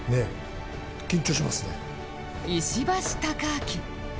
石橋貴明